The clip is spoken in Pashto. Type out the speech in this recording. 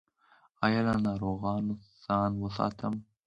ایا له ناروغانو ځان وساتم؟